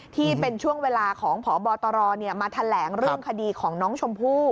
ที่เป็นช่วงเวลาของพบตรมาแถลงเรื่องคดีของน้องชมพู่